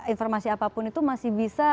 informasi apapun itu masih bisa